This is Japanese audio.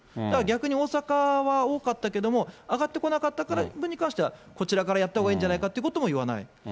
だから逆に大阪は多かったけども、上がってこなかったことに関してはこちらからやったほうがいいんじゃないかということも言わない。